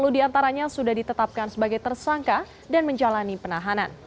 sepuluh diantaranya sudah ditetapkan sebagai tersangka dan menjalani penahanan